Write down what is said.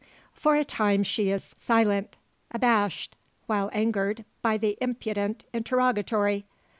For a time she is silent abashed, while angered, by the impudent interrogatory.